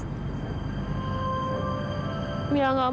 mila gak mau bikin tante amber marah lagi sama mila